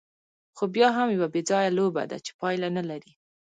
خو بیا هم یوه بېځایه لوبه ده، چې پایله نه لري.